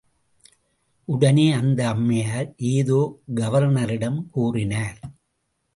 உடனே அந்த அம்மையார் ஏதோ கவர்னரிடம் கூறினார்.